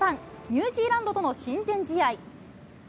ニュージーランドとの親善試合。